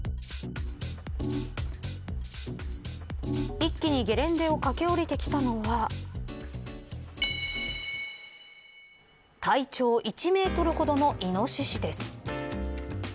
一気にゲレンデを駆け降りてきたのは体長１メートルほどのイノシシです。